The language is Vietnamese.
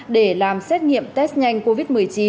để làm xét nghiệm test nhanh covid một mươi chín